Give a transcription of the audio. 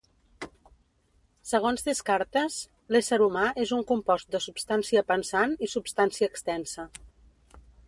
Segons Descartes, l'ésser humà és un compost de substància pensant i substància extensa.